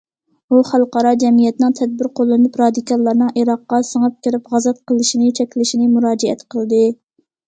ئۇ خەلقئارا جەمئىيەتنىڭ تەدبىر قوللىنىپ، رادىكاللارنىڭ ئىراققا سىڭىپ كىرىپ‹‹ غازات›› قىلىشىنى چەكلىشىنى مۇراجىئەت قىلدى.